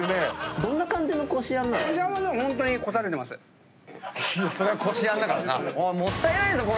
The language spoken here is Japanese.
どんな感じのこしあんなの？